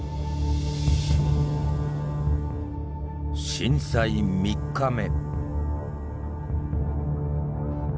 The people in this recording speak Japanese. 震災３日目。